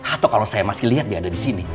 atau kalau saya masih lihat dia ada di sini